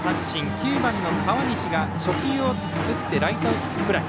９番の川西が初球を打ってライトフライ。